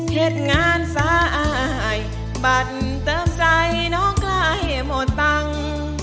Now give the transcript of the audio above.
เทศงานสายบัตรเติมใจน้องไกลหมดตังค์